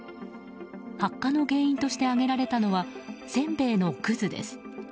発火の原因として挙げられたのはせんべいのくずです。